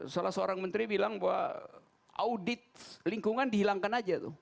salah seorang menteri bilang bahwa audit lingkungan dihilangkan saja